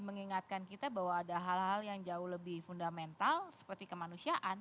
mengingatkan kita bahwa ada hal hal yang jauh lebih fundamental seperti kemanusiaan